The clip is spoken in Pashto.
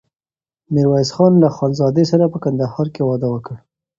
ميرويس خان له خانزادې سره په کندهار کې واده وکړ.